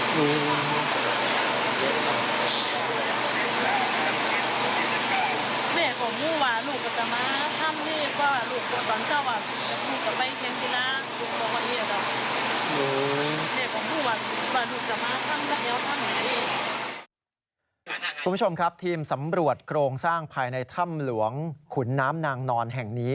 คุณผู้ชมครับทีมสำรวจโครงสร้างภายในถ้ำหลวงขุนน้ำนางนอนแห่งนี้